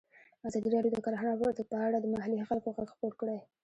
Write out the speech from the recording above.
ازادي راډیو د کرهنه په اړه د محلي خلکو غږ خپور کړی.